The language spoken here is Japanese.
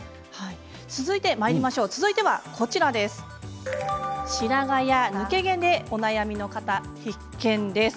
続いては白髪や抜け毛でお悩みの方必見です。